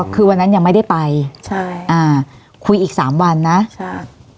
คือวันนั้นยังไม่ได้ไปใช่อ่าคุยอีกสามวันนะใช่